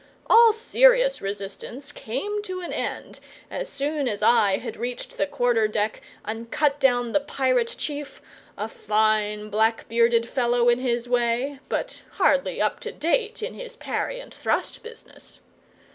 All serious resistance came to an end as soon as I had reached the quarter deck and cut down the pirate chief a fine black bearded fellow in his way, but hardly up to date in his parry and thrust business.